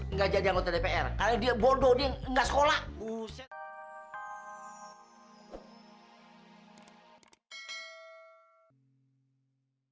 nggak jadi anggota dpr karena dia bodoh dia enggak sekolah